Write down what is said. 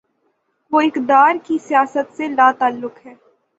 وہ اقتدار کی سیاست سے لاتعلق ہے۔